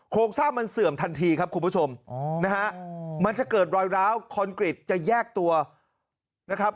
โครงสร้างมันเสื่อมทันทีครับคุณผู้ชมนะฮะมันจะเกิดรอยร้าวคอนกรีตจะแยกตัวนะครับ